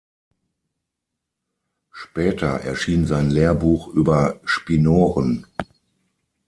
Später erschien sein Lehrbuch über Spinoren.